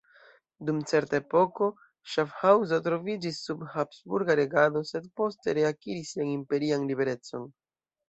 Dum certa epoko Ŝafhaŭzo troviĝis sub habsburga regado sed poste reakiris sian imperian liberecon.